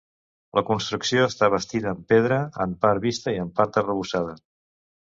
La construcció està bastida en pedra, en part vista i en part arrebossada.